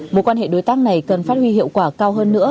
mối quan hệ đối tác này cần phát huy hiệu quả cao hơn nữa